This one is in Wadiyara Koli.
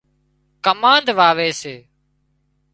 ڪمانڌ واوي سي